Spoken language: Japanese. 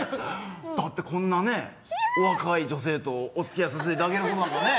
だってこんなねお若い女性とお付き合いさせていただけることなんかね